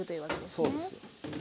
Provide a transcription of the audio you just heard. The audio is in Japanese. そうです。